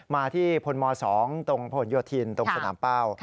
มาที่พลม๒ตรงผลโยธินตรงสนามเป้า